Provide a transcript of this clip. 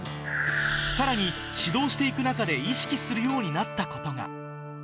さらに、指導していく中で意識するようになったことが。